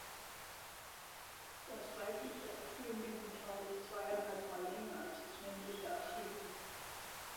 Das weibliche Atrium genitale ist zweieinhalb Mal länger als das männliche Atrium.